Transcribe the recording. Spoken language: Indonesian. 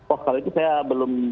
oh kalau itu saya belum